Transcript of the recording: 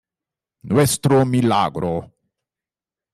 Nuestro milagro